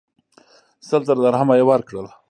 سل زره درهمه یې ورکړل.